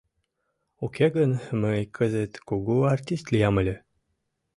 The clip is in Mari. Уке гын мый кызыт кугу артист лиям ыле.